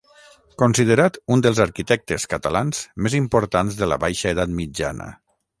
Considerat un dels arquitectes catalans més importants de la baixa edat mitjana.